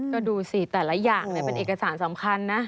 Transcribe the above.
ก็ดูสิแต่ละอย่างเป็นเอกสารสำคัญนะ